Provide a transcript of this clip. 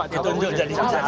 ditunjuk jadi jaksa agung